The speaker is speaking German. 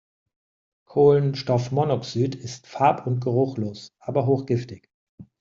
Kohlenstoffmonoxid ist farb- und geruchlos, aber hochgiftig.